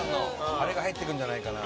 あれが入ってくるんじゃないかな。